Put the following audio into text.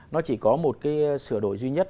nó chỉ có một cái sửa đổi duy nhất